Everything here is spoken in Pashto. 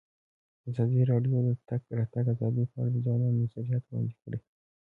ازادي راډیو د د تګ راتګ ازادي په اړه د ځوانانو نظریات وړاندې کړي.